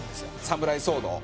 サムライソードを。